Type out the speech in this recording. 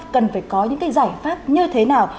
cần phải có những cái giải pháp như thế nào